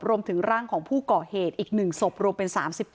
รวมถึงร่างของผู้ก่อเหตุอีก๑ศพรวมเป็น๓๗